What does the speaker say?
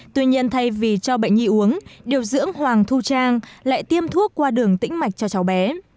tuy nhiên thay vì cho bệnh nhi uống điều dưỡng hoàng thu trang lại tiêm thuốc qua đường tĩnh mạch cho cháu bé